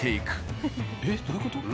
えっどういう事？